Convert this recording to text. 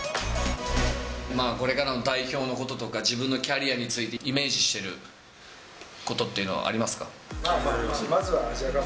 これからの代表のこととか、自分のキャリアについてイメージしていることっていうのはありままあまあ、まずはアジアカッ